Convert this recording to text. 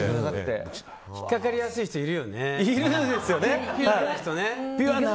引っかかりやすい人、いるよね。